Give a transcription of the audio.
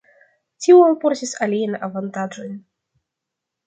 Tio alportis aliajn avantaĝojn.